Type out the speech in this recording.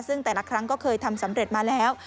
ซึ่งแต่ละครั้งก็เคยทำสำเร็จมาแล้ว